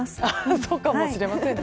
そうかもしれませんね。